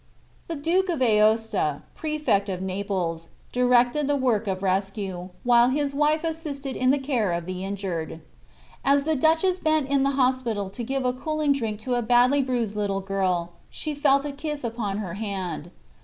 The Duke of Aosta, Prefect of Naples, directed the work of rescue, while his wife assisted in the care of the injured. As the Duchess bent in the hospital to give a cooling drink to a badly bruised little girl she felt a kiss upon her hand.